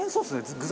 具材。